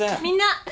みんな。